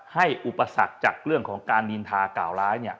ให้อุปสรรคจากเรื่องของการลินทาก่าวร้ายเนี่ย